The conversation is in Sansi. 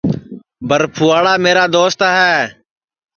برپھوئاڑا میرا دوست ہے